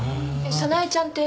早苗ちゃんって？